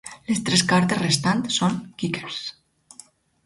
Les tres cartes restants són "kickers".